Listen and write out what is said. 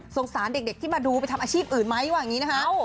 สารเด็กที่มาดูไปทำอาชีพอื่นไหมว่าอย่างนี้นะคะ